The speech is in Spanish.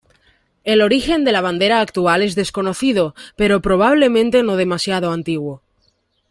El origen de la bandera actual es desconocido, pero probablemente no demasiado antiguo.